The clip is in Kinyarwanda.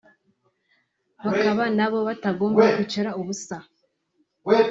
bakaba nabo batagomba kwicara ubusa